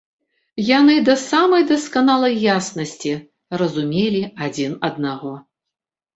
Яны да самай дасканалай яснасці разумелі адзін аднаго.